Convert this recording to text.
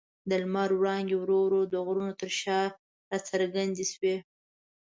د لمر وړانګې ورو ورو د غرونو تر شا راڅرګندې شوې.